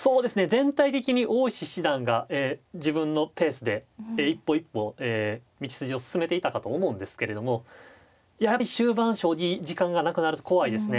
全体的に大石七段が自分のペースで一歩一歩道筋を進めていたかと思うんですけれどもやはり終盤将棋時間がなくなると怖いですね。